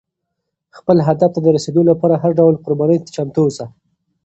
خپل هدف ته د رسېدو لپاره هر ډول قربانۍ ته چمتو اوسه.